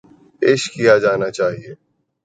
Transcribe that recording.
ﭘﯿﺶ ﮐﯿﺎ ﺟﺎﻧﺎ ﭼﺎﮬﯿﮯ